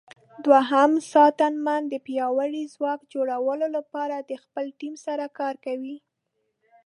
دوهم ساتنمن د پیاوړي ځواک جوړولو لپاره د خپل ټیم سره کار کوي.